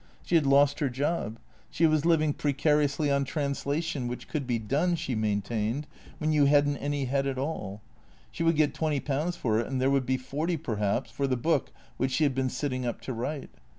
She had lost her job. She was living precariously on translation, which could be done, she main tained, when you had n't any head at all. She would get twenty pounds for it, and there would be forty, perhaps, for the book which she had been sitting up to write.